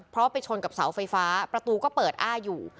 เพราะไปชนกับเสาไฟฟ้าประตูก็เปิดอ้าอยู่